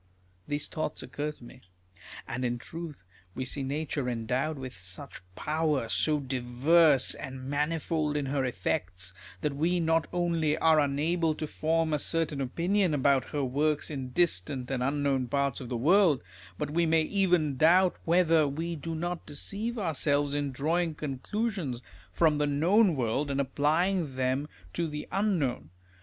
" These thoughts occur to me. And in truth, we see nature endowed with such power, so diverse and mani fold in her effects, that we not only are unable to form a certain opinion about her works in distant and unknown parts of the world, but we may even doubt whether we do not deceive ourselves in drawing conclusions from the known world, and applying them to the unknown.